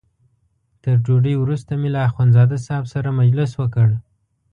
تر ډوډۍ وروسته مې له اخندزاده صاحب سره مجلس وکړ.